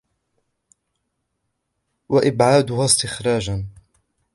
وَأَبْعَدُهَا اسْتِخْرَاجًا